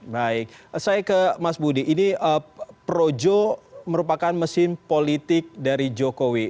baik saya ke mas budi ini projo merupakan mesin politik dari jokowi